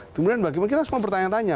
kemudian bagaimana kita semua bertanya tanya